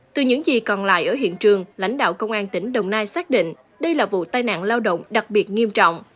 từ những gì còn lại ở hiện trường lãnh đạo công an tỉnh đồng nai xác định đây là vụ tai nạn lao động đặc biệt nghiêm trọng